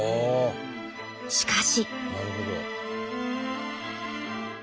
しかし。